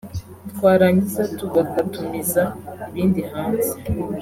twarangiza tugakatumiza ibindi hanze